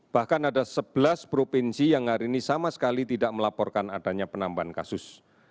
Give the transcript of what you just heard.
bahkan ada sebelas provinsi yang hari ini sama sekali tidak melaporkan adanya penambahan kasus